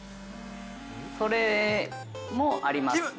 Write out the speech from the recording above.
◆それもありますね。